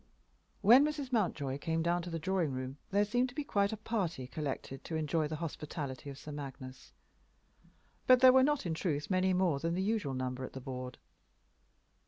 When Mrs. Mountjoy came down to the drawing room there seemed to be quite "a party" collected to enjoy the hospitality of Sir Magnus, but there were not, in truth, many more than the usual number at the board.